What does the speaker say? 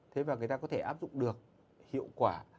thế và người ta có thể áp dụng được hiệu quả